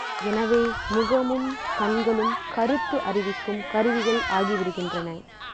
எனவே முகமும் கண்களும் கருத்து அறிவிக்கும் கருவிகள் ஆகிவிடுகின்றன.